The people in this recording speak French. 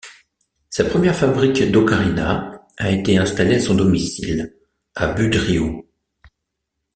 Sa première fabrique d'ocarinas a été installée à son domicile à Budrio.